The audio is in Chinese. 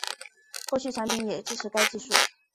后续产品也支持该技术